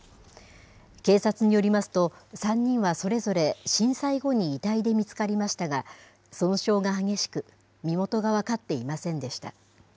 警察によりますと、３人はそれぞれ震災後に遺体で見つかりましたが、損傷が激しく、身元が分かっていませんでした。